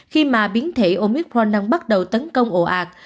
khi mà biến thể omicron đang bắt đầu tấn công ổ ạt